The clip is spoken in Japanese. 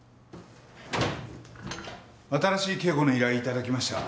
新しい警護の依頼頂きました。